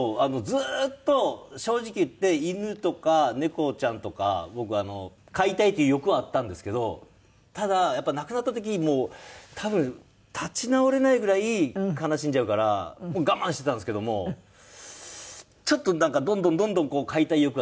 ずっと正直言って犬とか猫ちゃんとか僕飼いたいっていう欲はあったんですけどただ亡くなった時にもう多分立ち直れないぐらい悲しんじゃうから我慢してたんですけどもちょっとどんどんどんどん飼いたい欲が強くなってきて。